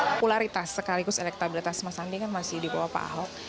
popularitas sekaligus elektabilitas mas andi kan masih di bawah pak ahok